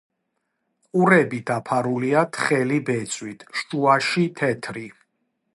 ყურები დაფარულია თხელი ბეწვით; შუაში თეთრი.